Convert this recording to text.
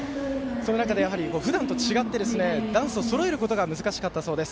その中でふだんと違ってダンスをそろえることが難しかったそうです。